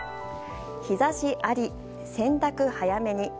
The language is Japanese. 日差しあり、洗濯早めに。